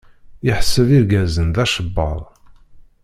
Iḥseb irgazen d acebbaḍ.